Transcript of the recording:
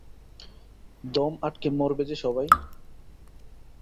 দম আটকে মরবে যে সবাই।